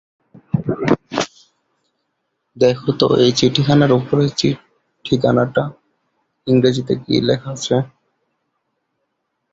দেখো তো এই চিঠিখানার ওপরের ঠিকানাটা ইংরিজিতে কি লেখা আছে!